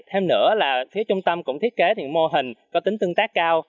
thêm nữa là phía trung tâm cũng thiết kế những mô hình có tính tương tác cao